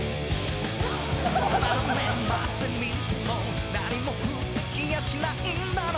何年待ってみても何も降って来やしないんだろう？